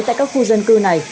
tại các khu dân cư này